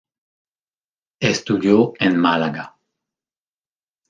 Estudió en Málaga.